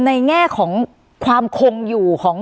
การแสดงความคิดเห็น